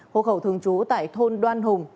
hộ khẩu thường trú tại thôn đoan hùng